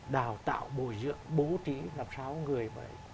đào tạo bồi dưỡng bố trí làm sao người